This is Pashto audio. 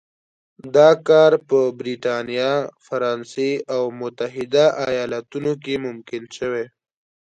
دا کار په برېټانیا، فرانسې او متحده ایالتونو کې ممکن شوی.